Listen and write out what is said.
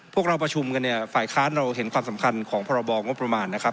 พวกเราประชุมกันฟ่ายค้าเราเห็นความสำคัญของพบงมนะครับ